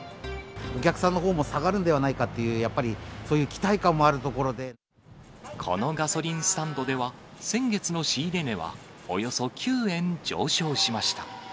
お客さんのほうも下がるんではないかっていう、やっぱり、このガソリンスタンドでは、先月の仕入れ値はおよそ９円上昇しました。